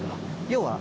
要は。